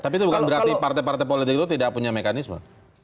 tapi itu bukan berarti partai partai politik itu tidak punya mekanisme